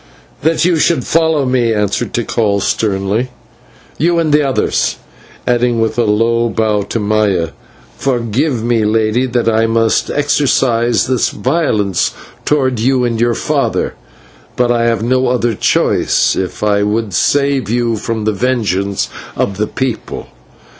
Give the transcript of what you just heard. "That you should follow me," answered Tikal sternly, "you and the others" adding, with a low bow to Maya, "forgive me, Lady, that I must exercise this violence towards you and your father, but I have no other choice if I would save you from the vengeance of the people."